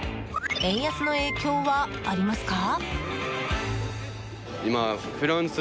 円安の影響はありますか？